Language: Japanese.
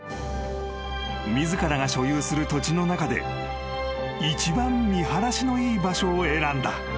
［自らが所有する土地の中で一番見晴らしのいい場所を選んだ］